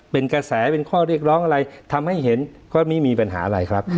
เป็นกระแสเป็นข้อเรียกร้องอะไรทำให้เห็นข้อนี้มีปัญหาอะไรครับ